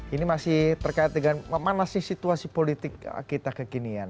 ini masih terkait dengan mana sih situasi politik kita kekinian